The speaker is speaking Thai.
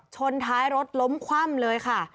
ชนท้ายรถล้มคว่ำเลยค่ะ